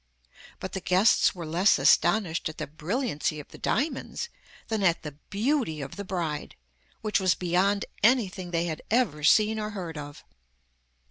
But the guests were less astonished at the brilliancy of the diamonds than at the beauty of the bride, which was beyond anything they had ever seen or heard of.